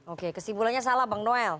oke kesimpulannya salah bang noel